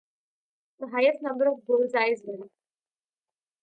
The highest number of bulls-eyes wins.